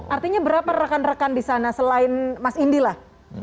artinya berapa rekan rekan di sana selain mas indi lah